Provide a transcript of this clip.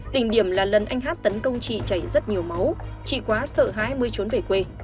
đỉnh điểm là lần anh hát tấn công chị chảy rất nhiều máu chị quá sợ hãi mới trốn về quê